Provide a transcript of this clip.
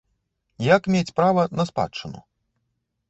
Як мець права на спадчыну?